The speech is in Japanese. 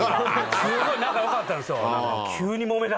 すごい仲よかったんですよ。